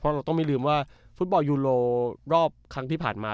เราต้องไม่ลืมว่าฟุตบอลยูโรรอบครั้งที่ผ่านมา